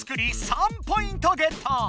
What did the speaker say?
３ポイントゲット！